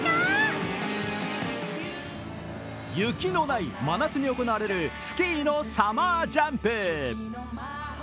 雪のない真夏に行われるスキーのサマージャンプ。